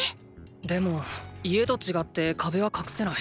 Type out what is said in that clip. でも家と違って壁は隠せない。